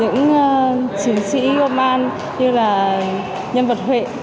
những chiến sĩ công an như là nhân vật huệ